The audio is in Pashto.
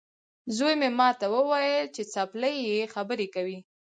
زوی مې ماته وویل چې چپلۍ یې خبرې کوي.